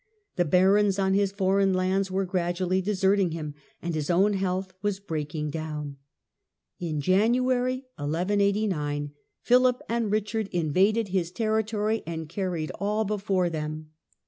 The barons on his foreign lands were gradually deserting him, and his own health was breaking down. In January, 1189, Philip and Richard invaded his territory and carried all before them.